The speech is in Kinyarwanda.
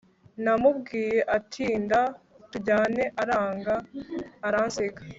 namubwiye atindinda tujyane aranga aransiga